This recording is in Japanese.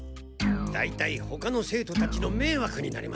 だいたいほかの生徒たちのめいわくになります。